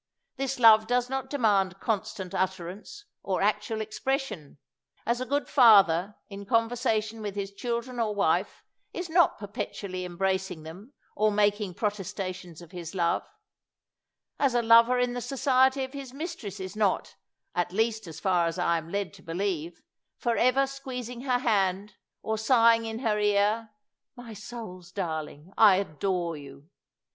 This love does not demand constant utter ance or actual expression, as a good father, in conversation with his children or wife, is not perpetually embracing them or making protesta tions of his love; as a lover in the society of his mistress is not, at least as far as I am led to believe, for ever squeezing her hand or sighing in her ear, My soul's darling, I adore you!"